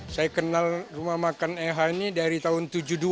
saya kenal rumah makan eha ini dari tahun seribu sembilan ratus tujuh puluh dua